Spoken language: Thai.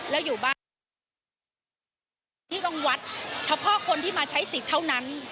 แล้วอยู่บ้านที่ต้องวัดเฉพาะคนที่มาใช้สิทธิ์เท่านั้น